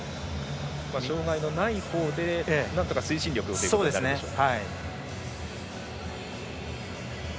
障がいのないほうでなんとか推進力をという形でしょうか。